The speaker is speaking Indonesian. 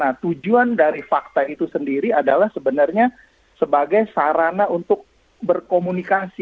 nah tujuan dari fakta itu sendiri adalah sebenarnya sebagai sarana untuk berkomunikasi